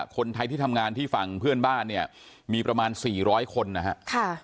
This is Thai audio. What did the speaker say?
คนไทยที่ทำงานที่ฝั่งเพื่อนบ้านเนี่ยมีประมาณ๔๐๐คนนะครับ